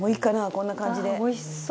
こんな感じで。